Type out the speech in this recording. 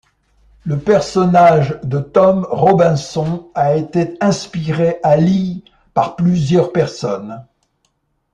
Le personnage de Tom Robinson a été inspiré à Lee par plusieurs personnes.